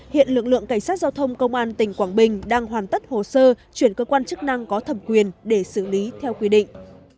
hiện lực lượng cảnh sát giao thông công an tỉnh quảng bình đang hoàn tất hồ sơ chuyển cơ quan chức năng có thẩm quyền để xử lý theo quy định